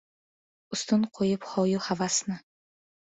Ustun qo‘yib hoyu havasni.